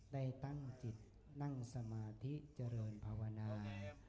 ได้ตั้งจิตนั่งสมาธิเจริญภาวนา